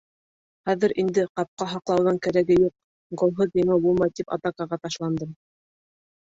Хәҙер инде ҡапҡа һаҡлауҙың кәрәге юҡ, голһыҙ еңеү булмай тип атакаға ташландым.